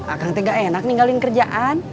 akang tega enak ninggalin kerjaan